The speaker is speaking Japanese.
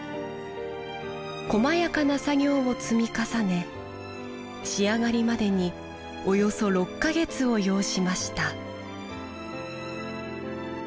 こまやかな作業を積み重ね仕上がりまでにおよそ６か月を要しました